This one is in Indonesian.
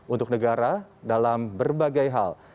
untuk negara dalam berbagai hal